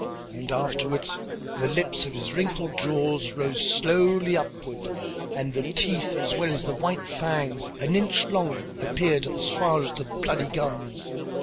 And afterwards, the lips of his wrinkled jaws rose slowly upward and the teeth as well as the white fangs, an inch long, appeared as far as the bloody gums.